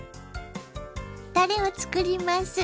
たれを作ります。